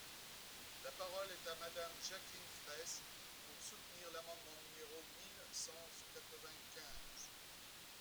La parole est à Madame Jacqueline Fraysse, pour soutenir l’amendement numéro mille cent quatre-vingt-quinze.